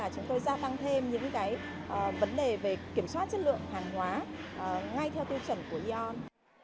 chúng tôi gia tăng thêm những vấn đề về kiểm soát chất lượng hàng hóa ngay theo tiêu chuẩn của yon